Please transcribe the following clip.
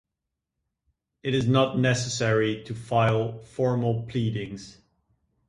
It is not necessary to file formal pleadings.